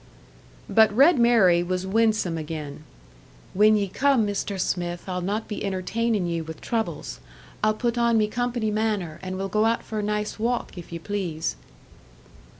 But "Red Mary" was winsome again. "When ye come, Mr. Smith, I'll not be entertaining ye with troubles. I'll put on me company manner, and we'll go out for a nice walk, if ye please."